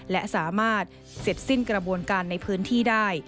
และสามารถเสร็จสิ้นกระบวนการในพื้นที่ได้